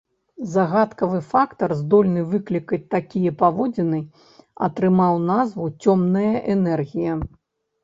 Загадкавы фактар, здольны выклікаць такія паводзіны, атрымаў назву цёмная энергія.